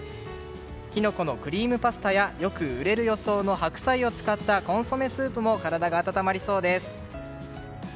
キノコのクリームパスタやよく売れる予想の白菜を使ったコンソメスープも体が温まりそうです。